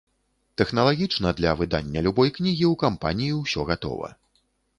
Тэхналагічна для выдання любой кнігі ў кампаніі ўсё гатова.